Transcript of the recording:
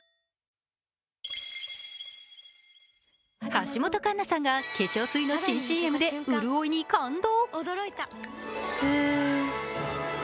橋本環奈さんが化粧水の新ＣＭで潤いに感動。